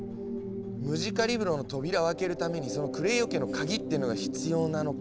ムジカリブロの扉を開けるためにその「クレイオ家の鍵」っていうのが必要なのかもしれない。